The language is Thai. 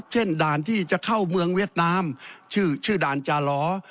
ด่านที่จะเข้าเมืองเวียดนามชื่อด่านจาหลอ